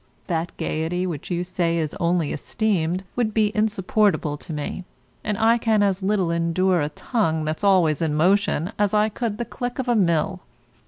That gaiety which you say is only esteemed would be insupportable to me, and I can as little endure a tongue that's always in motion as I could the click of a mill.